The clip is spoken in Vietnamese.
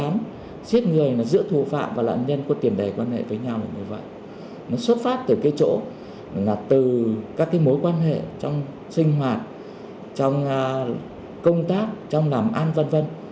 nó xuất phát từ các mối quan hệ trong sinh hoạt trong công tác trong làm ăn v v